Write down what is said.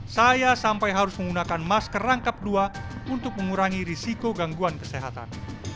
saya sampai harus menggunakan masker rangkap dua untuk mengurangi risiko gangguan kesehatan